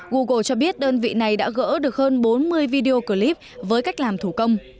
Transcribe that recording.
google cho biết đơn vị này đã gỡ được hơn bốn mươi video clip với cách làm thủ công